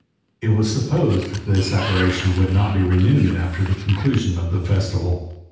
It was supposed this apparition would not be renewed after the conclusion of the festival.